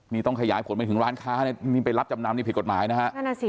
นี่ต้องขยายผลไปถึงร้านค้านี่ไปรับจำนำนี่ผิดกฎหมายนะฮะ